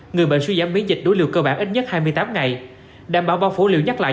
người bệnh suy giảm biến dịch đối liều cơ bản ít nhất hai mươi tám ngày đảm bảo bao phủ liệu nhắc lại